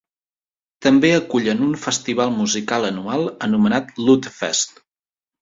També acullen un festival musical anual anomenat "Lutefest".